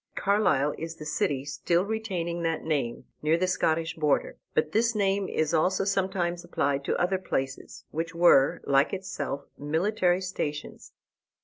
Carlisle is the city still retaining that name, near the Scottish border. But this name is also sometimes applied to other places, which were, like itself, military stations.